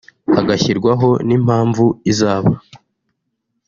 hagashyirwaho n’impamvu izaba